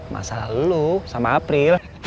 masalah lo sama apri